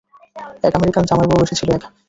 এক আমেরিকান জামাই বউ এসেছিলো এখানে।